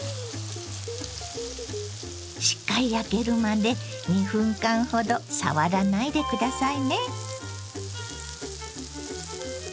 しっかり焼けるまで２分間ほど触らないで下さいね。